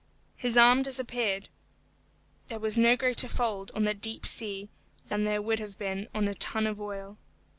His arm disappeared; there was no greater fold on the deep sea than there would have been on a tun of oil.